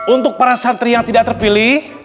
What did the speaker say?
untuk para santri yang tidak terpilih